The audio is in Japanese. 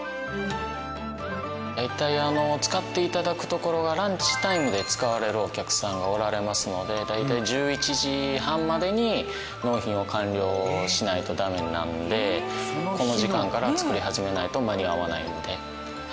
大体使って頂く所がランチタイムで使われるお客さんがおられますので大体１１時半までに納品を完了しないとダメなのでこの時間から作り始めないと間に合わないので。